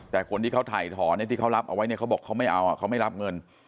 แต่คนที่เขาถ่ายถอนที่เขารับเอาไว้เนี่ยเขาบอกเขาไม่เอาเขาไม่รับเงิน